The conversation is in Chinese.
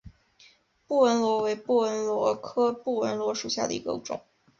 布纹螺为布纹螺科布纹螺属下的一个种。